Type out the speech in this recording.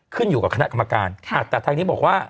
ขึ้นอยู่กับคณะกรรมการแต่ทางนี้บอกว่า